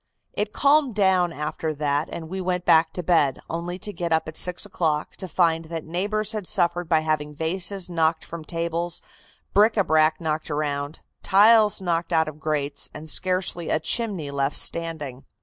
It calmed down after that and we went back to bed, only to get up at six o'clock to find that neighbors had suffered by having vases knocked from tables, bric a brac knocked around, tiles knocked out of grates and scarcely a chimney left standing.